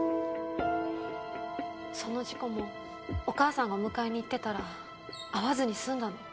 その事故もお母さんがお迎えに行ってたら遭わずに済んだの。